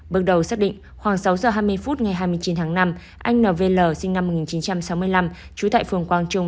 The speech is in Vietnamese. bước đầu xác định khoảng sáu giờ hai mươi phút ngày hai mươi chín tháng năm anh nv sinh năm một nghìn chín trăm sáu mươi năm trú tại phường quang trung